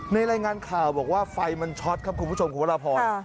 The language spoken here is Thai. รายงานข่าวบอกว่าไฟมันช็อตครับคุณผู้ชมคุณวรพร